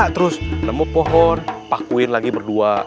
terus nemu pohon pakuin lagi berdua